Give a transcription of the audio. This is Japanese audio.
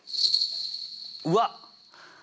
うわっ！